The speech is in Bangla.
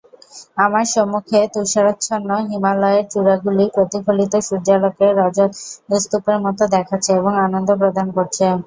আমার সম্মুখে তুষারাচ্ছন্ন হিমালয়ের চূড়াগুলি প্রতিফলিত সূর্যালোকে রজতস্তূপের মত দেখাচ্ছে এবং আনন্দ প্রদান করছে।